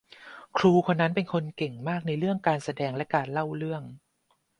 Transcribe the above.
ครูคนนั้นเป็นคนเก่งมากในเรื่องการแสดงและการเล่าเรื่อง